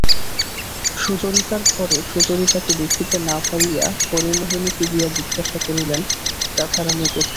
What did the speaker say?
সুচরিতার ঘরে সুচরিতাকে দেখিতে না পাইয়া হরিমোহিনীকে গিয়া জিজ্ঞাসা করিলেন, রাধারানী কোথায়?